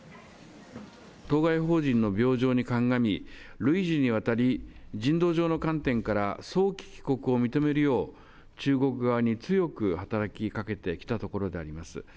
当該邦人の病状に鑑み、累次にわたり、人道上の観点から、早期帰国を認めるよう、中国側に強く働きかけてきたところであります。